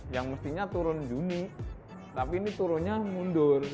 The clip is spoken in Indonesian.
yang mestinya turun juni tapi ini turunnya mundur